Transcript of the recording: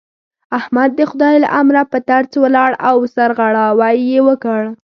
احمد د خدای له امره په ترڅ ولاړ او سرغړاوی يې وکړ.